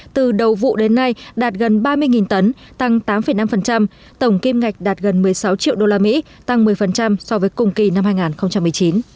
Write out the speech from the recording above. từ đầu vụ đến nay đạt gần ba mươi tấn tăng tám năm tổng kim ngạch đạt gần một mươi sáu triệu usd tăng một mươi so với cùng kỳ năm hai nghìn một mươi chín